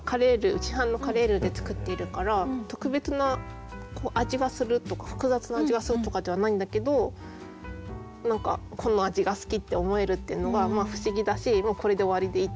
市販のカレールーで作っているから特別な味がするとか複雑な味がするとかではないんだけど何かこの味が好きって思えるっていうのが不思議だしもうこれで終わりでいい